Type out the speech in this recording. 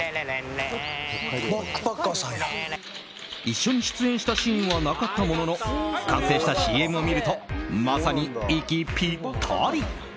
一緒に撮影したシーンはなかったものの完成したＣＭを見るとまさに息ぴったり。